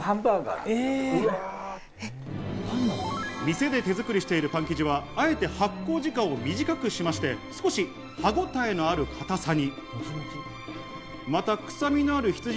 店で手づくりしているパン生地はあえて発酵時間を短くしまして少し歯ごたえのある堅さに。